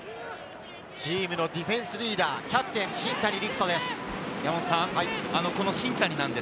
チームのディフェンスリーダー、キャプテン・新谷陸斗です。